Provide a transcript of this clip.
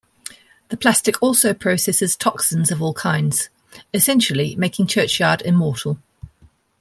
The plastic also processes toxins of all kinds, essentially making Churchyard immortal.